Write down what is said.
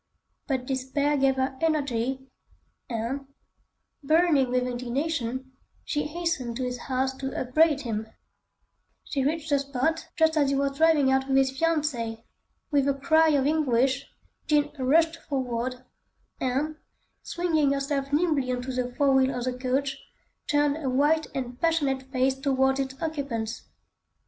But despair gave her energy, and, burning with indignation, she hastened to his house to upbraid him. She reached the spot just as he was driving out with his fiancée. With a cry of anguish, Jean rushed forward and, swinging herself nimbly on to the fore wheel of the coach, turned her white and passionate face towards its occupants.